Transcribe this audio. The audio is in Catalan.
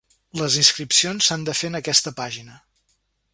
Les inscripcions s’han de fer en aquesta pàgina.